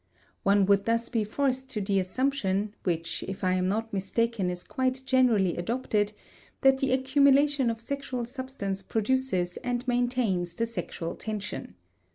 One would thus be forced to the assumption, which if I am not mistaken is quite generally adopted, that the accumulation of sexual substance produces and maintains the sexual tension.